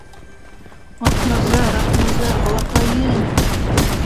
«Аҡназар, Аҡназар, балаҡайым...»